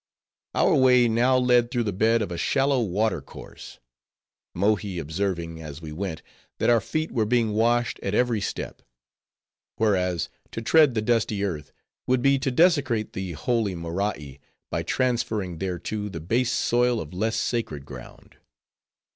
Our way now led through the bed of a shallow water course; Mohi observing, as we went, that our feet were being washed at every step; whereas, to tread the dusty earth would be to desecrate the holy Morai, by transferring thereto, the base soil of less sacred ground.